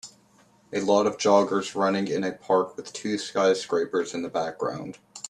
A lot of joggers running in a park with two skyscrapers in the background